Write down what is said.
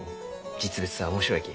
実物は面白いき。